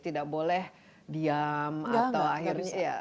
tidak boleh diam atau akhirnya